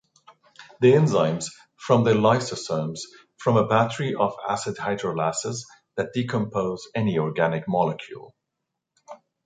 The enzymes from the lysosomes form a battery of acid hydrolases that decompose any organic molecule.